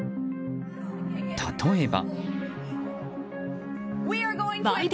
例えば。